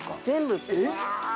うわ！